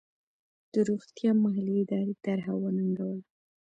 د روغتیا محلي ادارې طرحه وننګوله.